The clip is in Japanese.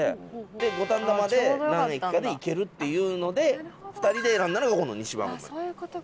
五反田まで何駅かで行けるっていうので２人で選んだのがこの西馬込。